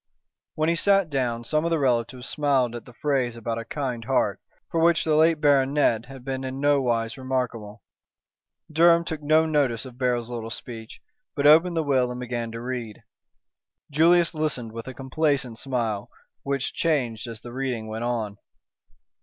When he sat down some of the relatives smiled at the phrase about a kind heart, for which the late baronet had been in no wise remarkable. Durham took no notice of Beryl's little speech, but opened the will and began to read. Julius listened with a complacent smile, which changed as the reading went on.